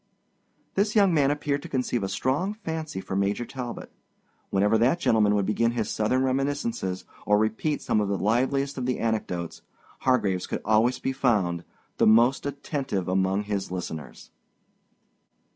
This young man appeared to conceive a strong fancy for Major Talbot. Whenever that gentleman would begin his Southern reminiscences, or repeat some of the liveliest of the anecdotes, Hargraves could always be found, the most attentive among his listeners.